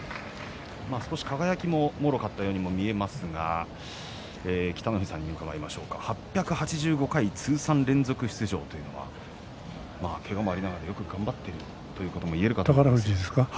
少し輝ももろかったように見えますが北の富士さん８８５回、通算連続出場というのは、けがもありながらよく頑張ったということがいえると思いますが。